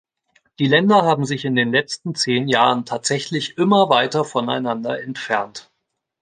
Die Länder haben sich in den letzten zehn Jahren tatsächlich immer weiter voneinander entfernt.